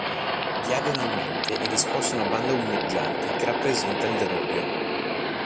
Diagonalmente è disposta una banda ondeggiante che rappresenta il Danubio.